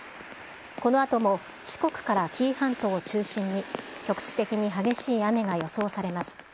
このあとも四国から紀伊半島を中心に、局地的に激しい雨が予想されます。